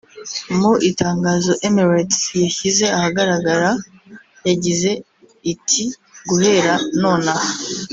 Mu itangazo Emirates yashyize ahagaragara yagize iti “Guhera nonaha